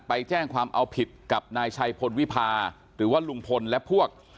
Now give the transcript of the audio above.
ไปแจ้งความเอาผิดกับนายชัยพลวิพาหรือว่าลุงพลและพวก